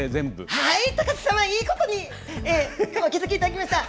はい、高瀬様いいことにお気付きいただきました。